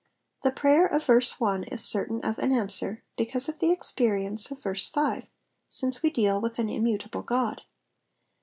The prayer of verse 1 is certain of an answer because of the experience of verse 6, since we deal with an immutable God.